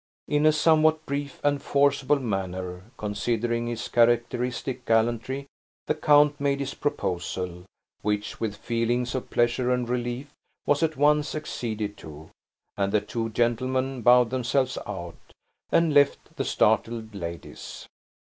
In a somewhat brief and forcible manner, considering his characteristic gallantry, the count made his proposal, which, with feelings of pleasure and relief, was at once acceded to; and the two gentlemen bowed themselves out, and left the startled ladies.